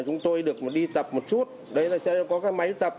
chúng tôi được đi tập một chút đấy là có cái máy tập